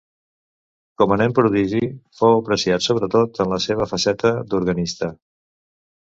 Com a nen prodigi, fou apreciat sobretot en la seva faceta d'organista.